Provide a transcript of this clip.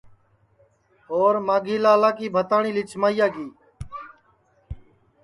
اور مانگھی لالا کی بھتاٹؔی لیجھمیا کی